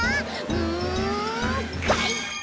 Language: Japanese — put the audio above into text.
うんかいか！